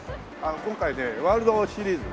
今回ねワールドシリーズ。